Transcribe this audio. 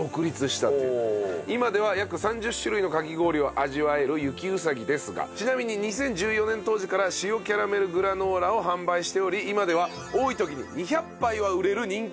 今では約３０種類のかき氷を味わえる雪うさぎですがちなみに２０１４年当時から塩キャラメルグラノーラを販売しており今では多い時に２００杯は売れる人気のかき氷と。